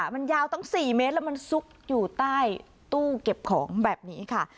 มันยาวตั้ง๔เมตรแล้วมันซุกอยู่ใต้ตู้เก็บของแบบนี้ค่ะ